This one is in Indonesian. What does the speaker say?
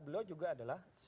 beliau juga adalah